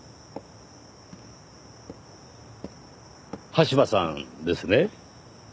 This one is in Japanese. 羽柴さんですね？